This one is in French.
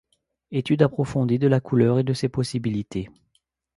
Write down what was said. Étude approfondie de la couleur et de ses possibilités.